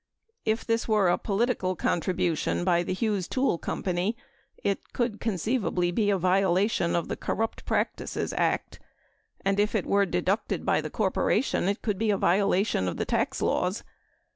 If this were a political con tribution by the Hughes Tool Co., it could conceivably be a violation of the Corrupt Practices Act, and if it were deducted by the corporation, it could be a violation of the tax laws.